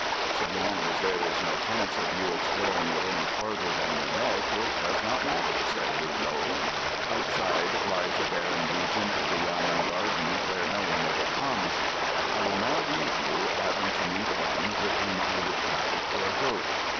"So long as there is no chance of you exploring it any farther than your neck, it does not matter," said Li loe. "Outside lies a barren region of the yamen garden where no one ever comes. I will now leave you, having to meet one with whom I would traffic for a goat.